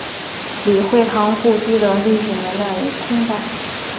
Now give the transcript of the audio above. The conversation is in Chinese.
李惠堂故居的历史年代为清代。